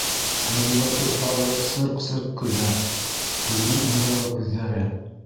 Әбүбәкер тағы сырҡ-сырҡ көлә, көлгән ыңғайға күҙҙәре